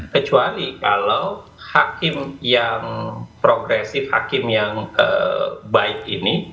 kecuali kalau hakim yang progresif hakim yang baik ini